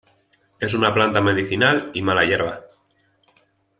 Es una planta medicinal y mala hierba.